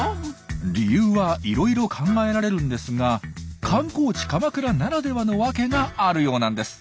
理由はいろいろ考えられるんですが観光地鎌倉ならではのワケがあるようなんです。